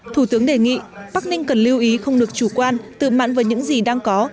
thủ tướng đề nghị bắc ninh cần lưu ý không được chủ quan từ mặn với những gì đang có